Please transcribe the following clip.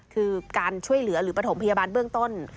คือการช่วยเหลือหรือปฐมพยาบาลเบื้องต้น